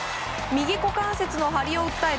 右股関節の張りを訴え